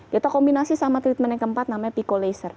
kita kombinasi sama treatment yang keempat namanya picolaser